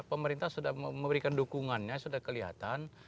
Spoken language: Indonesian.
pemerintah sudah memberikan dukungannya sudah kelihatan